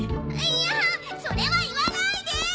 いやんそれは言わないで！